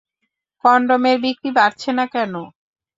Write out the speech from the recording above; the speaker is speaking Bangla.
কনডমের বিক্রি বাড়ছে না কেন?